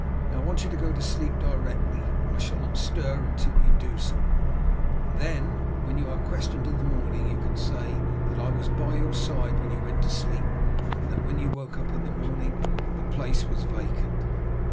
Now I want you to go to sleep directly, I shall not stir until you do so, then when you are questioned in the morning you can say that I was by your side when you went to sleep, and that when you woke in the morning the place was vacant.